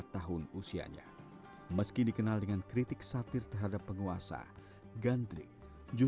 tiga puluh empat tahun usianya meski dikenal dengan kritik satir terhadap penguasa gandrik justru dilahirkan dari kondisi sebaliknya yang sangat unik